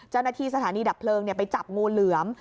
เจ้าหน้าที่สถานีดับเพลิงไปจับงูเหลือม